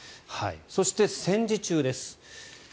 そして戦時中です。